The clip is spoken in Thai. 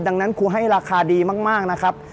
ดังนั้นครูให้ราคาดีมากนะครับ